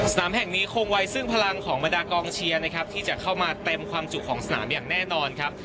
สนามแห่งนี้คงไว้ซึ่งพลังของบรรดากองเชียร์นะครับที่จะเข้ามาเต็มความจุของสนามอย่างแน่นอนครับ